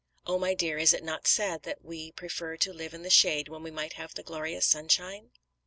Oh, my dear, is it not sad that we prefer to live in the shade when we might have the glorious sunshine?"